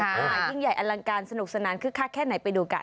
ยิ่งใหญ่อลังการสนุกสนานคึกคักแค่ไหนไปดูกัน